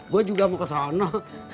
gue juga mau kesana